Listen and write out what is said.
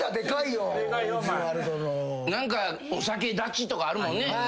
お酒断ちとかあるもんね。